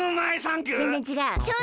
ぜんぜんちがう。